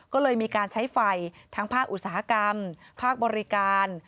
ก็เลยมีการใช้ไฟทั้งภาคอุตสาหกรรมภาคบริการ